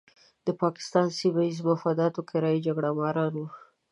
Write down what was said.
د پاکستان سیمه ییزو مفاداتو کرایي جګړه ماران وو.